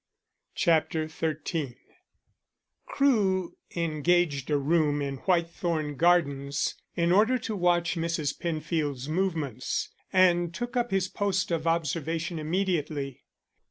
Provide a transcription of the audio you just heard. CHAPTER XIII CREWE engaged a room in Whitethorn Gardens in order to watch Mrs. Penfield's movements, and took up his post of observation immediately.